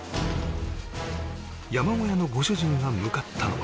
山小屋のご主人が向かったのは